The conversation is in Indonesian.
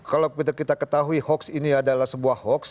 kalau kita ketahui hoax ini adalah sebuah hoax